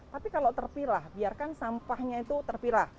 tapi kalau terpilah biarkan sampahnya itu terpilah